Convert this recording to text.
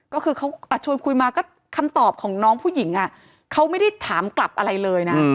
ก็คือเขาชวนคุยมาก็คำตอบของน้องผู้หญิงเขาไม่ได้ถามกลับอะไรเลยนะ